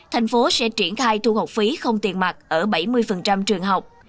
tp hcm sẽ triển khai thu học phí không tiền mặt ở bảy mươi trường học